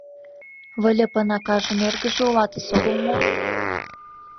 Выльыпын акажын эргыже улат-ыс, огыл мо?